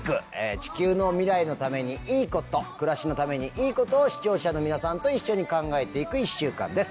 地球の未来のためにいいこと暮らしのためにいいことを視聴者の皆さんと一緒に考えて行く１週間です。